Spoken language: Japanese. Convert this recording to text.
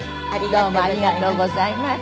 ありがとうございます。